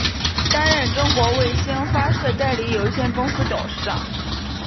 担任中国卫星发射代理有限公司董事长。